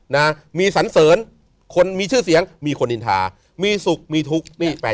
นะมีสันเสริญคนมีชื่อเสียงมีคนอินทามีสุขมีทุกข์นี่ไป